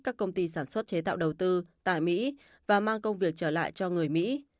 các công ty sản xuất chế tạo đầu tư tại mỹ và mang công việc trở lại cho người mỹ